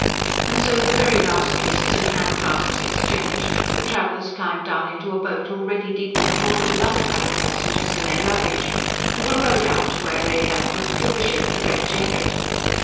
And so the very last kisses and handclasps exchanged, the travellers climbed down into a boat already deep in the water with other cuddy passengers and their luggage, and were rowed out to where lay that good clipper ship, the RED JACKET.